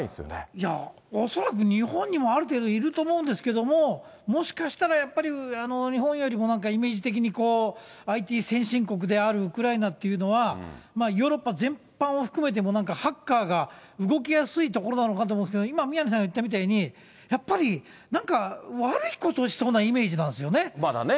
いや、恐らく日本にもある程度、いると思うんですけれども、もしかしたら、やっぱり日本よりもなんかイメージ的にＩＴ先進国であるウクライナっていうのは、ヨーロッパ全般を含めてもハッカーが動きやすい所なのかなと思うんですけれども、今、宮根さん言ったみたいに、やっぱりなんか、悪いことしそうなイメージなんでまだね。